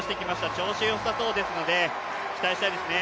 調子よさそうですので、期待したいですね。